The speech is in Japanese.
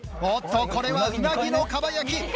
おっとこれはうなぎの蒲焼き。